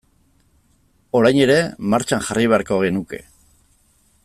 Orain ere martxan jarri beharko genuke.